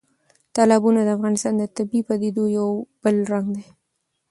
تالابونه د افغانستان د طبیعي پدیدو یو بل رنګ دی.